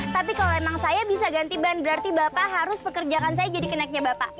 tapi kalau emang saya bisa ganti ban berarti bapak harus pekerjakan saya jadi kenaknya bapak